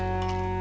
nanti dia pilih